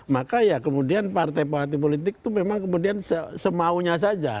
maka ya kemudian partai partai politik itu memang kemudian semaunya saja